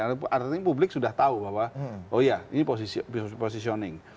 artinya publik sudah tahu bahwa oh iya ini positioning